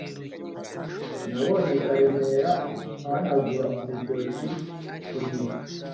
Nabonye Karemera ahanagura urutoki ku rugi